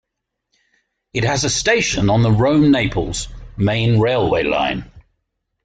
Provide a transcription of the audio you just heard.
It has a station on the Rome-Naples main railway line.